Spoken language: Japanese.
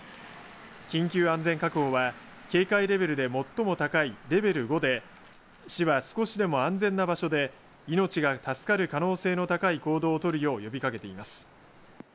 緊急安全確保は警戒レベルで最も高いレベル５で市は少しでも安全な場所で命が助かる可能性の高い行動を取るよう呼びかけています。